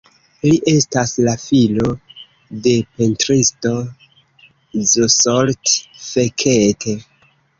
Li estas la filo de pentristo Zsolt Fekete.